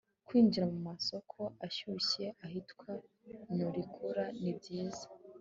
Kwinjira mu masoko ashyushye ahitwa Norikura ni byiza